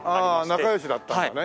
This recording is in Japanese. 仲良しだったんだね。